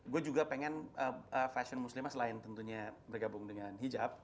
gue juga pengen fashion muslimah selain tentunya bergabung dengan hijab